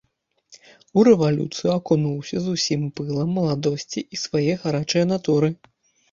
У рэвалюцыю акунуўся з усім пылам маладосці і свае гарачае натуры.